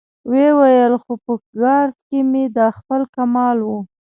ويې ويل: خو په ګارد کې مې دا خپل کمال و.